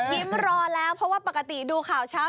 รอแล้วเพราะว่าปกติดูข่าวเช้า